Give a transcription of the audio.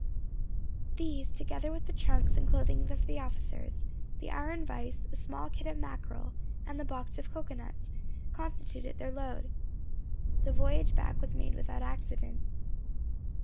These, together with the trunks and clothing of the officers, the iron vice, a small kit of mackerel, and the box of cocoanuts, constituted their load. The voyage back was made without accident.